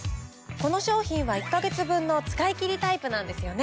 この商品は１ヵ月分の使い切りタイプなんですよね？